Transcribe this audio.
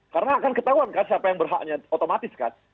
karena akan ketahuan kan siapa yang berhaknya otomatis kan